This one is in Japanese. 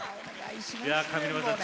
上沼さん